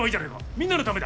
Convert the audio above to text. みんなのためだ。